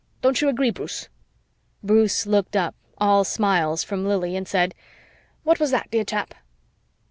Don't you agree, Bruce?" Bruce looked up, all smiles from Lili, and said, "What was that, dear chap?"